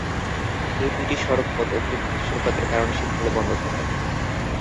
এই দুইটি সড়কপথ অতিরিক্ত তুষারপাতের কারণে শীতকালে বন্ধ থাকে।